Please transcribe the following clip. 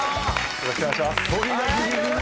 よろしくお願いします。